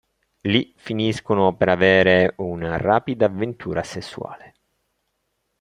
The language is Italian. Lì, finiscono per avere una rapida avventura sessuale.